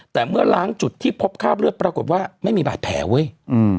แต่เมื่อล้างจุดที่พบคราบเลือดปรากฏว่าไม่มีบาดแผลเว้ยอืม